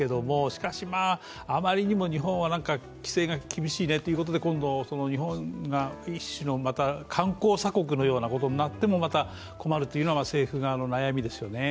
しかし、あまりにも日本は規制が厳しいねということで今度、日本が一種のまた観光鎖国のようなことになってもまた困るというのが政府側の悩みですよね。